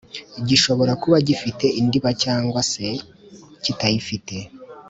gishobora kuba gifite indiba cg se kitayifite